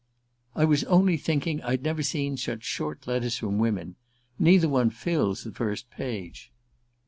"I was only thinking I'd never seen such short letters from women. Neither one fills the first page."